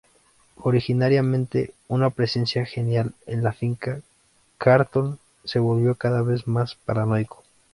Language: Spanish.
Originariamente una presencia genial en la finca, Carlton se volvió cada vez más paranoico.